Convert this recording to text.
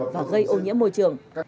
và gây ô nhiễm môi trường